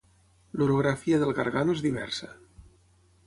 L'orografia del Gargano és diversa.